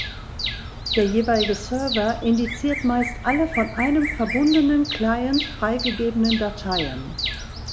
Der jeweilige Server indiziert meist alle von einem verbundenen Client freigegebenen Dateien.